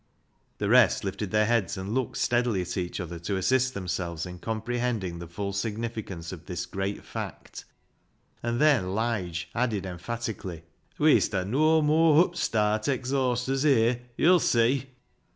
The rest lifted their heads and looked steadily at each other to assist themselves in comprehend ing the full significance of this great fact, and then Lige added emphatically —" Wee'st ha' noa mooar hupstart exhausters here, yo'll see."